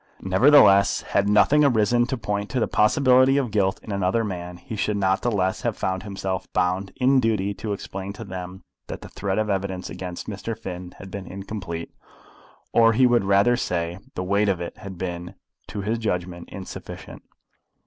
Nevertheless, had nothing arisen to point to the possibility of guilt in another man, he should not the less have found himself bound in duty to explain to them that the thread of the evidence against Mr. Finn had been incomplete, or, he would rather say, the weight of it had been, to his judgment, insufficient.